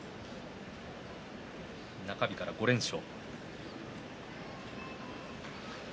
中日から５連勝。